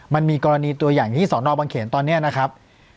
มันมีกรณีตัวอย่างที่สอนอบังเขนตอนนี้นะครับ